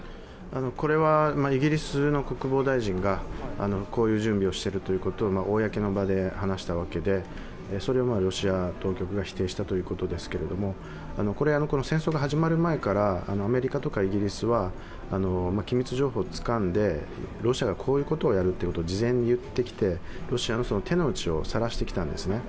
これはイギリスの国防大臣がこういう準備をしているということを公の場で話したわけで、それをロシア当局が否定したということですけれども、これは戦争の始まる前からアメリカとかイギリスは機密情報をつかんで、ロシアはこういうことをやるということを事前に言ってきて、ロシアの手の内をさらしてきたんですね。